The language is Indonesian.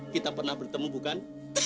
kita pernah bertemu bukan